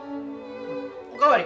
お代わり。